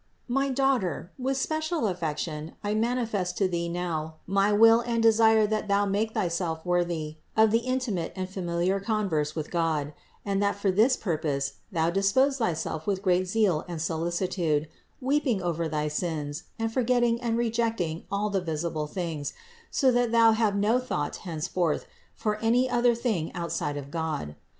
120. My daughter, with special affection I manifest to thee now my will and desire that thou make thyself worthy of the intimate and familiar converse with God, and that for this purpose thou dispose thyself with great zeal and solicitude, weeping over thy sins, and forgetting and rejecting all the visible things, so that thou have no thought henceforth for any other thing outside of God.